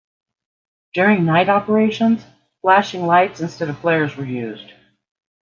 During nightoperations flashing lights instead of flares were used.